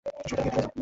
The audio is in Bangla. সোজা গিয়ে, ডানে যাও।